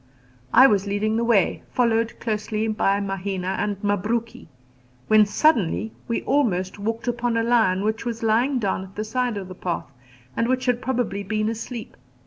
I was leading the way, followed closely by Mahina and Mabruki, when suddenly we almost walked upon a lion which was lying down at the side of the path and which had probably been asleep.